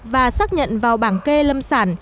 và xác nhận vào bảng kê lâm sản